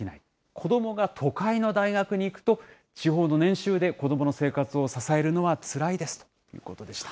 子どもが都会の大学に行くと、地方の年収で子どもの生活を支えるのはつらいですということでした。